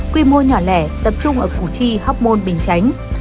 quy mô nhỏ lẻ tập trung ở củ chi hóc môn bình chánh